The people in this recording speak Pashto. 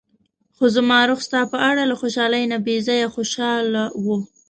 خو زما روح ستا په اړه له خوشحالۍ نه بې ځايه خوشاله و.